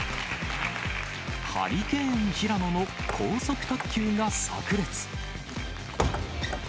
ハリケーン・ヒラノの高速卓球がさく裂。